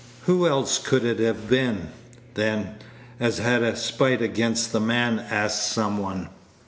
"Who else could it have been, then, as had a spite against the man?" asked some one.